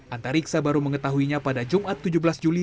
anta riksa baru mengetahuinya pada jumat tujuh belas juli